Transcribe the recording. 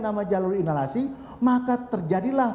nama jalur inasi maka terjadilah